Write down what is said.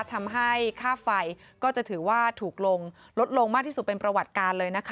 ทำให้ค่าไฟก็จะถือว่าถูกลงลดลงมากที่สุดเป็นประวัติการเลยนะคะ